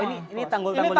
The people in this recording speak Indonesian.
oh ini tanggul tanggul ini